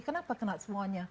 kenapa kena semuanya